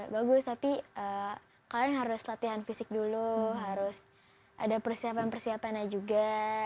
bagus tapi kalian harus latihan fisik dulu harus ada persiapan persiapannya juga